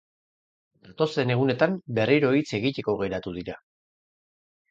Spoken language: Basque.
Datozen egunetan berriro hitz egiteko geratu dira.